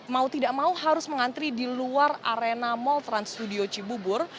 mau tidak mau harus mengantri di luar arena mall trans studio cibubur